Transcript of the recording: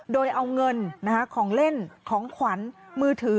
โดยเอาเงินของเล่นของขวัญมือถือ